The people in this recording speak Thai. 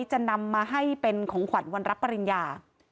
จะนำมาให้เป็นของขวัญวันรับปริญญา